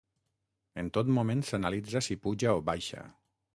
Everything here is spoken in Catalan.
En tot moment s’analitza si puja o baixa.